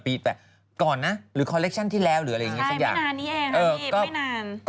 ปี๑๘ก่อนนะหรือคอเล็กชั่นที่แล้วหรืออะไรอย่างนี้สักอย่างใช่ไม่นานนี่เองไม่นาน